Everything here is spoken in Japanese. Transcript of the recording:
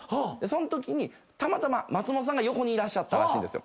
そんときにたまたま松本さんが横にいらっしゃったらしいんです。